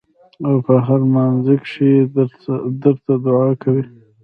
او پۀ هر مانځه کښې درته دعا کوي ـ